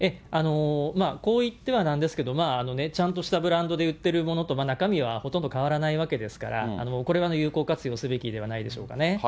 こういってはなんですけど、ちゃんとしたブランドで売ってるものと中身はほとんど変わらないですから、もうこれは有効活用すべきではないでしょうかね。